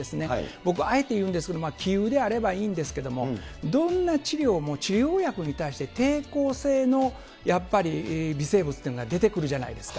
僕、あえて言うんですけど、希有であればいいんですけれども、どんな治療も、治療薬に対して抵抗性のやっぱり微生物というのが出てくるじゃないですか。